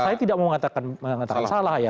saya tidak mau mengatakan salah ya